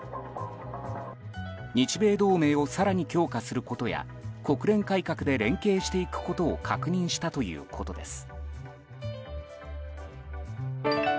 日米同盟を更に強化することや国連改革で連携していくことを確認したということです。